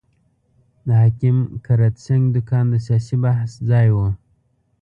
د حکیم کرت سېنګ دوکان د سیاسي بحث ځای وو.